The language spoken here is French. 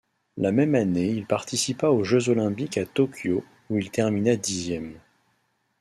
La même année il participa aux Jeux olympiques à Tokyo où il termina dixième.